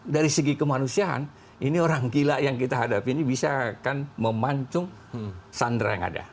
dari segi kemanusiaan ini orang gila yang kita hadapi ini bisa akan memancung sandera yang ada